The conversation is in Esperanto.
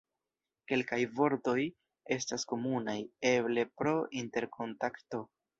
Kelkaj vortoj estas komunaj, eble pro interkontakto.